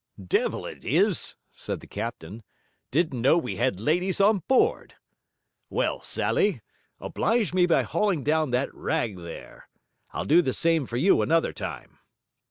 'Devil it is,' said the captain. 'Didn't know we had ladies on board. Well, Sally, oblige me by hauling down that rag there. I'll do the same for you another time.'